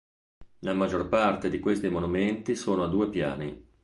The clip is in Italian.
La maggior parte di questi monumenti sono a due piani.